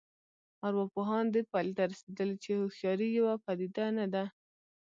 ارواپوهان دې پایلې ته رسېدلي چې هوښیاري یوه پدیده نه ده